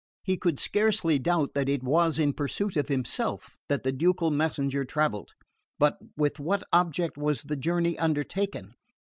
He could scarcely doubt that it was in pursuit of himself that the ducal messenger travelled; but with what object was the journey undertaken?